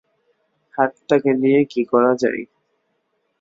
হাতটাকে নিয়ে কি করা যায়।